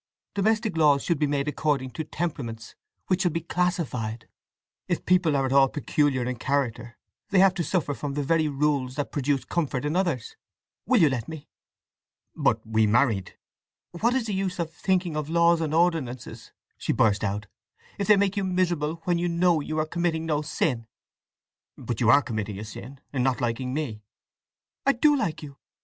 Domestic laws should be made according to temperaments, which should be classified. If people are at all peculiar in character they have to suffer from the very rules that produce comfort in others! … Will you let me?" "But we married—" "What is the use of thinking of laws and ordinances," she burst out, "if they make you miserable when you know you are committing no sin?" "But you are committing a sin in not liking me." "I do like you!